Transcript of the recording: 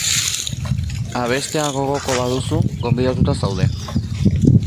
Abestea gogoko baduzu, gonbidatuta zaude!